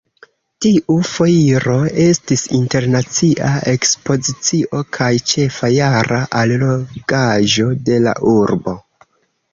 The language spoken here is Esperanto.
Tiu Foiro estis internacia ekspozicio kaj ĉefa jara allogaĵo de la urbo.